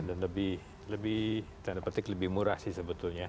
dan lebih murah sih sebetulnya